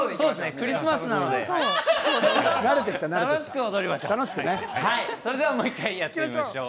クリスマスなので笑顔で楽しく踊りましょう。